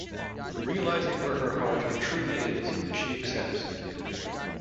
Realizing where her heart truly is, she accepts.